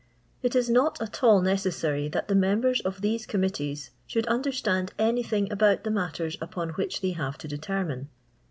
It is not at all necessary that the members of these committees should understand anything about the matters upon which they have to determine.